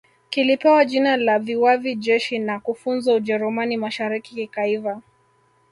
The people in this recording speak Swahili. Kilipewa jina la Viwavi Jeshi na kufunzwa Ujerumani Mashariki kikaiva